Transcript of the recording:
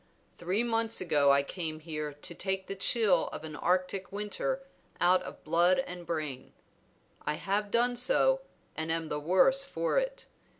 Three months ago I came here to take the chill of an Arctic winter out of blood and brain. I have done so and am the worse for it.